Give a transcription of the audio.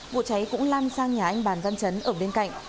vụ cháy cũng lan sang nhà anh bàn văn chấn ở bên cạnh